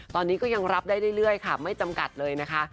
ตอนนี้ก็ยังรับได้เรื่อยค่ะไม่จำกัดเลยนะคะ